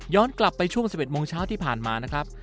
กลับไปช่วง๑๑โมงเช้าที่ผ่านมานะครับ